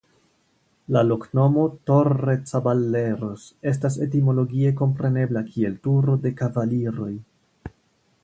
La loknomo "Torrecaballeros" estas etimologie komprenebla kiel Turo de Kavaliroj.